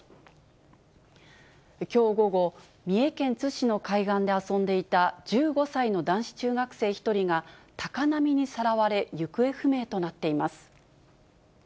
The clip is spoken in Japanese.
きょう午後、三重県津市の海岸で遊んでいた１５歳の男子中学生１人が、高波にさらわれ、行方不明となっています。